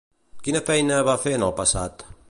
Quina feina va fer en el passat?